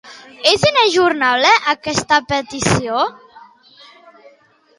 És inajornable, aquesta petició?